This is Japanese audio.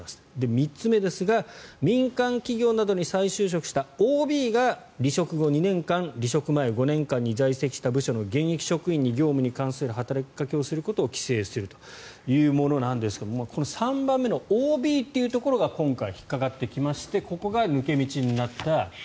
３つ目ですが民間企業などに再就職したＯＢが離職後２年間離職前５年間に在籍した部署の現役職員に業務に関する働きかけをすることを規制するというものなんですがこの３番目のＯＢというところが今回引っかかってきましてここが抜け道になった。